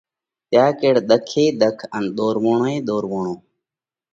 تيا ڪيڙ ۮک ئي ۮک ان ۮورووڻ ئي ۮورووڻ۔